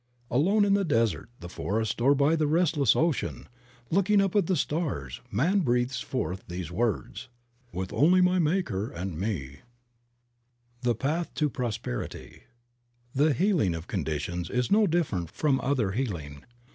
Alone in the desert, the forest or by the restless ocean, looking up at the stars, man breathes forth these words, "With only my Maker and me." 58 Creative Mind. THE PATH TO PROSPERITY. HPHE healing of conditions is no different from other healing.